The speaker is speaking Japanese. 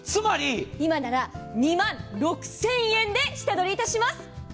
今なら２万６０００円で下取りいたします。